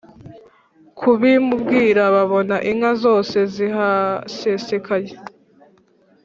kubimubwira babona inka zose zirahasesekaye